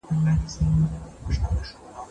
که بخاری وي نو یخ نه کیږي.